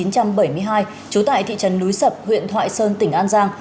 trú tại thị trấn núi sập huyện thoại sơn tỉnh an giang